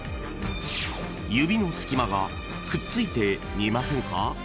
［指の隙間がくっついて見えませんか？］